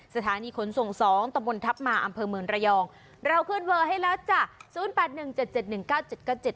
สถานีขนส่งสองตะบนทัพมาอำเภอเมืองระยองเราขึ้นเวอร์ให้แล้วจ้ะศูนย์แปดหนึ่งเจ็ดเจ็ดหนึ่งเก้าเจ็ดเก้าเจ็ด